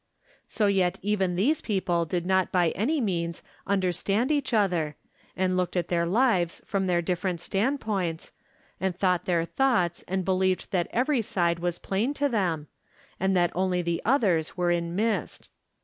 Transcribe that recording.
From Different Standpoints. 373 So even yet these people did not by any means understand each other, and looked at their lives from their different standpoints, and thought their thoughts and believed that every side was plain to them, and that only the others were in mist.